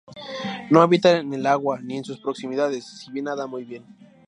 No habita en el agua ni en sus proximidades, si bien nada muy bien.